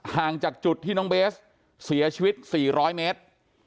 ห่างจากจุดที่น้องเบสเสียชีวิต๔๐๐เมตร